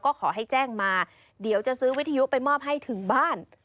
ก็ขอให้แจ้งมาเดี๋ยวจะซื้อวิทยุไปมอบให้ถึงบ้าน